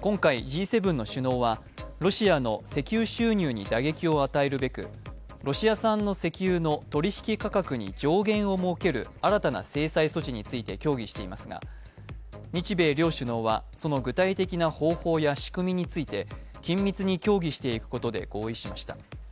今回Ｇ７の首脳はロシアの石油収入に打撃を与えるべくロシア産の石油の取り引き価格に上限を設ける新たな制裁措置について協議していますが日米両首脳はその具体的な方法や仕組みについて緊密に協議していくことで合意しました。